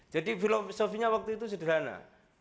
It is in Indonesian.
filosofinya waktu itu sederhana